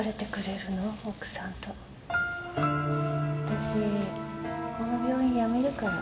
私この病院辞めるから。